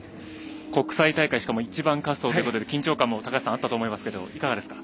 国際大会しかも１番滑走ということで緊張感もあったと思いますがいかがですか。